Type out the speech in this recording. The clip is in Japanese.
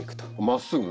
まっすぐ？